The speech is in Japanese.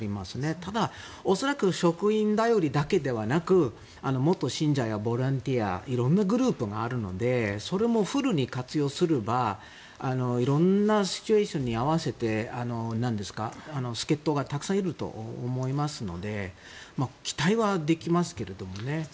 ただ、恐らく職員頼りだけではなく元信者やボランティアいろんなグループがあるのでそれもフルに活用すればいろいろなシチュエーションに合わせて助っ人がたくさんいると思いますので期待はできますけれどもね。